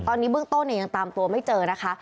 ตอนนี้เบื้องต้นเนี่ยยังตามตัวไม่เจอนะคะ